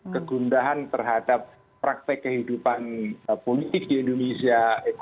kegundahan terhadap praktek kehidupan politik di indonesia